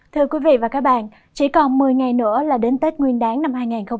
thưa quý vị và các bạn chỉ còn một mươi ngày nữa là đến tết nguyên đáng năm hai nghìn hai mươi